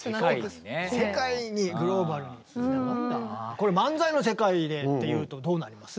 これ漫才の世界でっていうとどうなります？